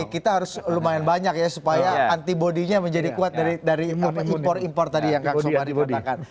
kita harus lumayan banyak ya supaya antibody nya menjadi kuat dari impor impor tadi yang kang sobari katakan